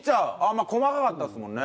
まあ細かかったですもんね。